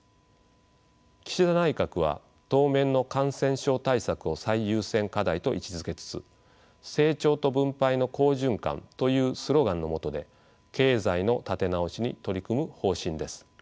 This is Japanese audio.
岸田内閣は当面の感染症対策を最優先課題と位置づけつつ「成長と分配の好循環」というスローガンのもとで経済の立て直しに取り組む方針です。